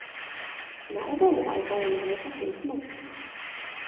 Na obalu alba je modelka Kate Moss.